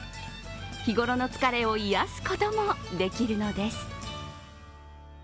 日頃の疲れを癒やすこともできるのです。